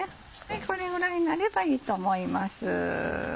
これぐらいになればいいと思います。